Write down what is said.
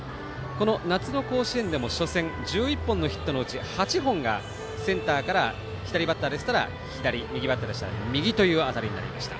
夏の甲子園でも初戦１１本のヒットのうち８本がセンターから左バッターでしたら左右バッターでしたら右という当たりになりました。